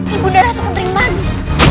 ibu darah tukering manik